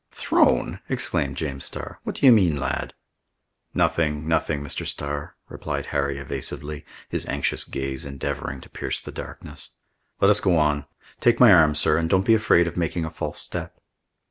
"Thrown!" exclaimed James Starr. "What do you mean, lad?" "Nothing, nothing, Mr. Starr," replied Harry evasively, his anxious gaze endeavoring to pierce the darkness. "Let us go on. Take my arm, sir, and don't be afraid of making a false step."